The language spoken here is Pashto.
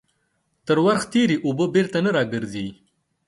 تر ورخ تيري اوبه بيرته نه راگرځي.